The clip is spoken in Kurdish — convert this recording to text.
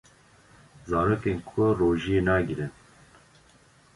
Zarokên ku rojiyê nagrin